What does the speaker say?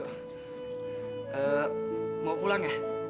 eee mau pulang ya